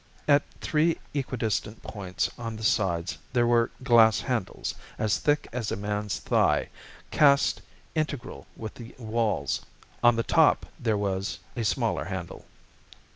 At three equidistant points on the sides there were glass handles, as thick as a man's thigh, cast integral with the walls. On the top there was a smaller handle.